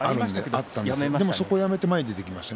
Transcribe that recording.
そこをやめて前に出ていきました。